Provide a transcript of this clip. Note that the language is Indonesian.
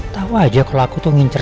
tahu aja kalau aku tuh ngincar